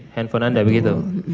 handphone anda begitu